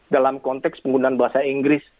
dalam konteks penggunaan bahasa inggris